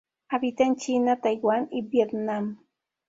Habita en China, Taiwán y Vietnam.